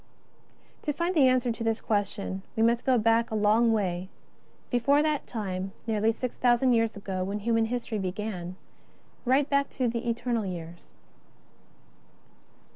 To find the answer to this question, we must go back a long way — before that time, nearly six thousand years ago, when human history began — right back to the Eternal Years.